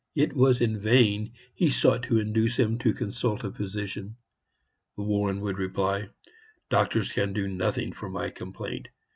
It was in vain he sought to induce him to consult a physician. Warren would reply: "Doctors can do nothing for my complaint.